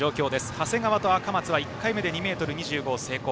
長谷川と赤松で１回目で２ｍ２５成功。